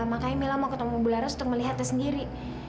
makanya mila mau ketemu bularas untuk melihatnya sendiri